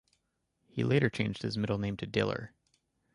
He later changed his middle name to Diller.